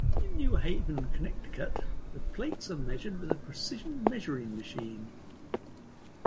In New Haven, Connecticut, the plates are measured with a precision measuring machine.